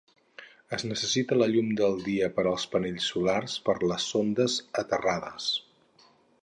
Es necessita la llum del dia per als panells solars per les sondes aterrades.